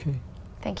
bây giờ là lúc